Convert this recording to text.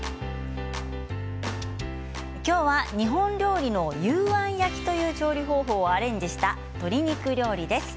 今日は日本料理の幽庵焼きという調理方法をアレンジした鶏肉料理です。